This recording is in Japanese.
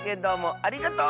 ありがとう！